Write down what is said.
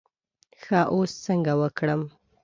ښه اوس څنګه وکړم.